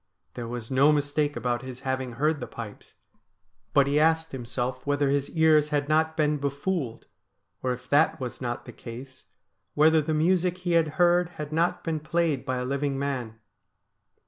There was no mistake about his having heard the pipes, but he asked himself whether his ears had not been befooled ; or, if that was not the case, whether the music he had heard had not been played by a living man.